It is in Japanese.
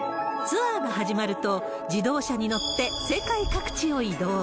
ツアーが始まると、自動車に乗って世界各地を移動。